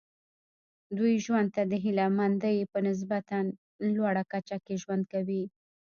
دوی ژوند ته د هیله مندۍ په نسبتا لوړه کچه کې ژوند کوي.